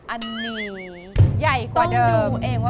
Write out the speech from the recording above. อันนี้ใหญ่กว่าเดิม